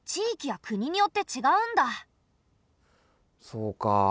そうかあ。